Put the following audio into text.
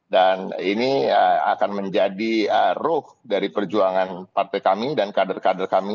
dan ini akan menjadi ruh dari perjuangan partai kami dan kader kader kami